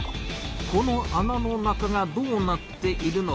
このあなの中がどうなっているのか？